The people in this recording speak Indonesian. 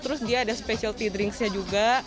terus dia ada specialty drinks nya juga